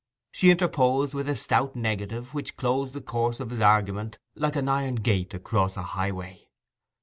She interposed with a stout negative, which closed the course of his argument like an iron gate across a highway.